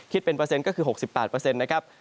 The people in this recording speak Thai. คิดเป็นเปอร์เซ็นต์ก็คือ๖๘เปอร์เซ็นต์นะครับ